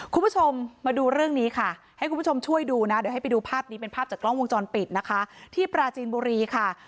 คุณผู้ชมมาดูเรื่องนี้ค่ะให้คุณผู้ชมช่วยดูนะเดี๋ยวให้ไปดูภาพนี้เป็นภาพจากกล้องวงจรปิดนะคะที่ปราจีนบุรีค่ะ